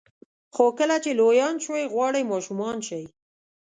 خو کله چې لویان شوئ غواړئ ماشومان شئ.